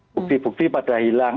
bukti bukti pada hilang